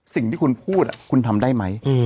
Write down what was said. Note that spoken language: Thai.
สิ่งที่คุณพูดคุณทำได้ไหม